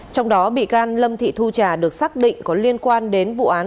trong đó bị can lâm thị thu trà được xác định có liên quan đến vụ án